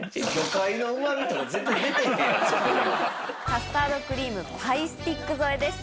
カスタードクリームパイスティック添えです。